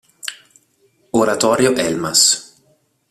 Oratorio Elmas.